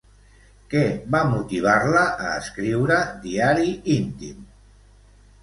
Què va motivar-la a escriure Diari íntim?